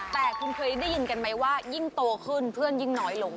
แต่คุณเคยได้ยินกันไหมว่ายิ่งโตขึ้นเพื่อนยิ่งน้อยลง